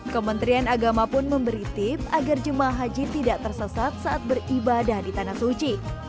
kementerian agama pun memberi tip agar jemaah haji tidak tersesat saat beribadah di tanah suci